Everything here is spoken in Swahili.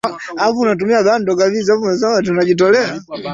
hadithi nyingi juu ya piranhas kama vile